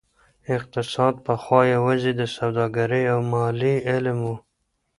اقتصاد پخوا يوازي د سوداګرۍ او ماليې علم و.